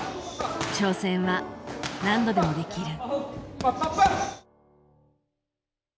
挑戦は何度でもできる。